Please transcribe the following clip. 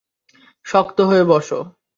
শক্ত করে বসো!